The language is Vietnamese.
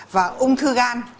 và ung thư gan